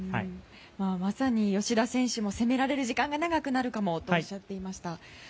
まさに吉田選手も攻められる時間が長くなるかもとおっしゃっていました。